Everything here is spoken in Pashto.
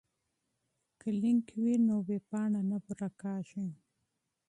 که لینک وي نو ویبپاڼه نه ورکیږي.